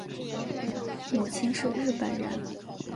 母亲是日本人。